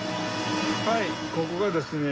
はいここがですね